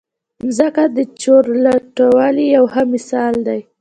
مځکه د چورلټوالي یو ښه مثال دی.